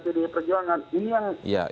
pdi perjuangan ini yang